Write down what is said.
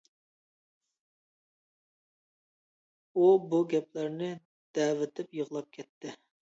ئو بۇ گەپلەرنى دەۋېتىپ يىغلاپ كەتتى .